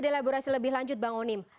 dan lebih lanjut bang unim